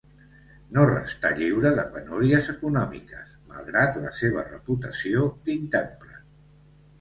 No restà lliure de penúries econòmiques, malgrat la seva reputació d'intèrpret.